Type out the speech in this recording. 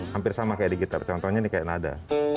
hampir sama kayak di gitar contohnya nih kayak nada